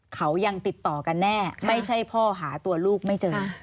เขายังติดต่อกันแน่ไม่ใช่พ่อหาตัวลูกไม่เจอ